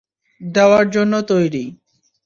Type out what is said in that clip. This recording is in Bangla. দেওয়ার জন্য তৈরি।